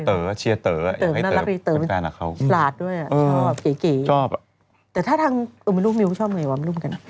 เดี๋ยวถ้าทางมิวมิวค่ะ